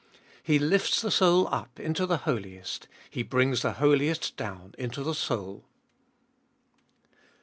He lifts the soul up into the Holiest ; He brings the Holiest down into the soul.